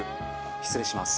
失礼します。